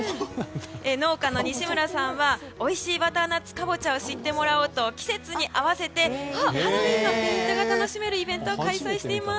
農園の西村さんはおいしいバターナッツカボチャをもっと知ってもらおうと季節に合わせてハロウィーンのペイントが楽しめるイベントを開催しています。